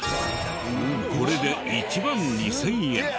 これで１万２０００円。